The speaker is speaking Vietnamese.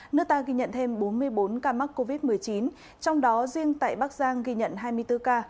nước ta ghi nhận thêm bốn mươi bốn ca mắc covid một mươi chín trong đó riêng tại bắc giang ghi nhận hai mươi bốn ca